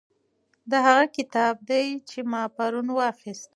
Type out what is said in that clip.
دا هغه کتاب دی چې ما پرون واخیست.